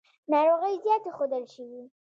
ناروغۍ زیاتې ښودل شوې.